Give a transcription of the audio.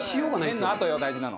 麺のあとよ大事なの。